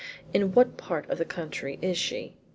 "In what part of the country is she?"